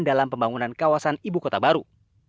dalam pembangunan kawasan ibu kota baru